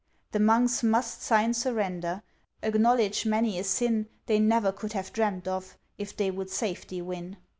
The Monks must sign surrender, Acknowledge many a sin They never could have dreamt of, If they would safety win.